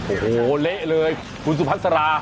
โอ้โฮเละเลยคุณสุภัทรสารา